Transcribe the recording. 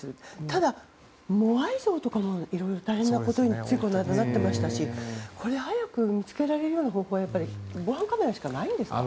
ただ、モアイ像とかも大変なことについこの間なってましたし早く見つけられるような方法は防犯カメラしかないんですか？